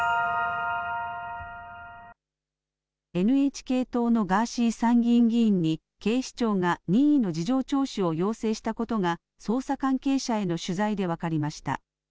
ＮＨＫ党のガーシー参議院議員に警視庁が任意の事情聴取を要請したことが捜査関係者への取材で分かりました。